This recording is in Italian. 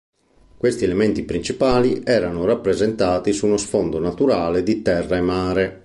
Questi elementi principali erano rappresentati su uno sfondo naturale di terra e mare.